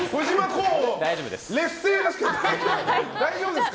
大丈夫ですか？